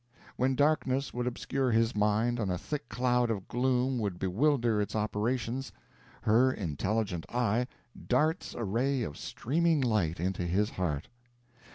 When darkness would obscure his mind, and a thick cloud of gloom would bewilder its operations, her intelligent eye darts a ray of streaming light into his heart.